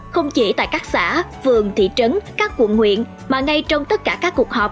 không chỉ tại các xã vườn thị trấn các quận nguyện mà ngay trong tất cả các cuộc họp